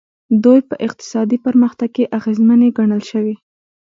دوی په اقتصادي پرمختګ کې اغېزمنې ګڼل شوي.